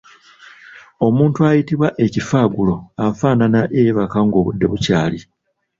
Omuntu ayitibwa ekifaggulo afaanana eyeebaka ng’obudde bukyali.